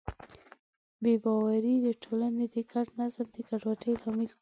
بې باورۍ د ټولنې د ګډ نظم د ګډوډۍ لامل کېږي.